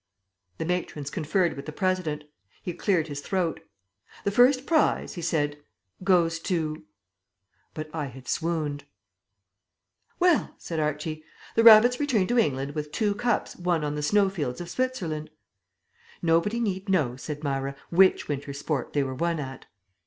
The matrons conferred with the President. He cleared his throat. "The first prize," he said, "goes to " But I had swooned. ..... "Well," said Archie, "the Rabbits return to England with two cups won on the snowfields of Switzerland." "Nobody need know," said Myra, "which winter sport they were won at."